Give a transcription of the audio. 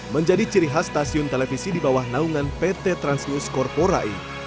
menjadi ciri khas stasiun televisi di bawah naungan pt trans news korporai